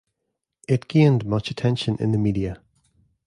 It gained much attention in the media.